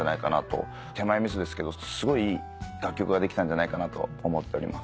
手前味噌ですけどすごい楽曲ができたんじゃないかと思ってます。